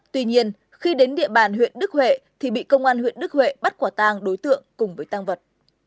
tuy nhiên khi đến địa bàn huyện đức huệ thì bị công an huyện đức huệ bắt quả tàng đối tượng cùng với tăng vật